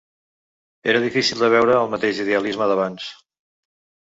Era difícil de veure el mateix idealisme d'abans